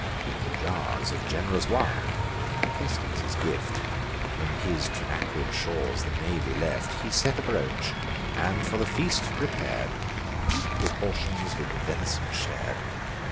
The jars of gen'rous wine (Acestes' gift, When his Trinacrian shores the navy left) He set abroach, and for the feast prepar'd, In equal portions with the ven'son shar'd.